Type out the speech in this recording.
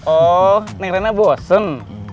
oh neng rena bosen